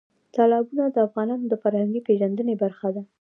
تالابونه د افغانانو د فرهنګي پیژندنې برخه ده.